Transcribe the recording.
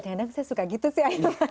kadang saya suka gitu sih